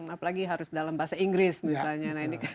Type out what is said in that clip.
apalagi harus dalam bahasa inggris misalnya